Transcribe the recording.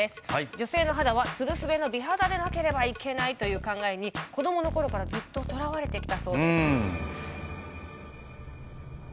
女性の肌はツルスベの美肌でなければいけないという考えに子どもの頃からずっととらわれてきたそうです。